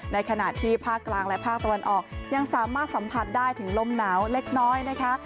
ในขณะที่ภาคกลางและภาคตะวันออกยังสามารถสัมผัสได้ถึงลมหนาวเล็กน้อยนะคะ